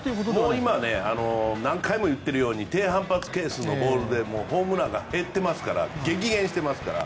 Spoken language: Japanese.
今何回も言っているように低反発係数のボールでホームランが減ってますから激減していますから。